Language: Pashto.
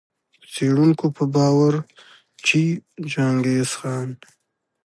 د څېړونکو په باور چي چنګیز خان